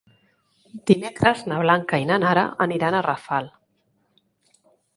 Dimecres na Blanca i na Nara aniran a Rafal.